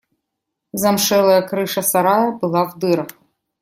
Замшелая крыша сарая была в дырах.